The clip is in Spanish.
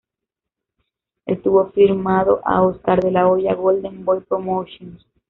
Estuvo firmado a Oscar de la Hoya Golden Boy Promotions.